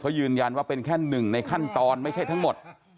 เขายืนยันว่าเป็นแค่หนึ่งในขั้นตอนไม่ใช่ทั้งหมด